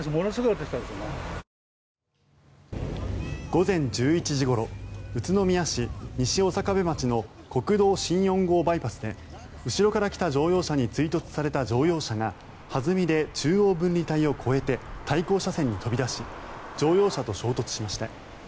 午前１１時ごろ宇都宮市西刑部町の国道新４号バイパスで後ろから来た乗用車に追突された乗用車が弾みで中央分離帯を越えて対向車線に飛び出し乗用車と衝突しました。